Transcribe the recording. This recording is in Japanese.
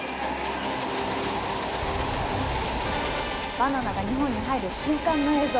バナナが日本に入る瞬間の映像！